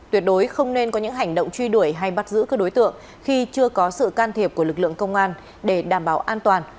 tuyệt đối không nên có những hành động truy đuổi hay bắt giữ các đối tượng khi chưa có sự can thiệp của lực lượng công an để đảm bảo an toàn